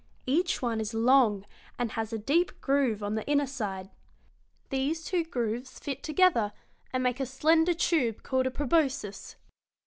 Each one is long, and has a deep groove on the inner side. These two grooves fit together, and make a slender tube called a proboscis.